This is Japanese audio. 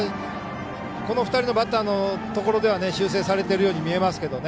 この２人のバッターのところでは修正されているように見えますけどね。